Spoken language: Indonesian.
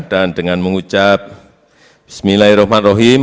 dan dengan mengucap bismillahirrahmanirrahim